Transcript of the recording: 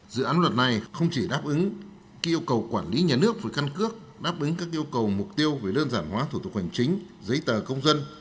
dự án luật này không chỉ đáp ứng yêu cầu quản lý nhà nước về căn cước đáp ứng các yêu cầu mục tiêu về đơn giản hóa thủ tục hành chính giấy tờ công dân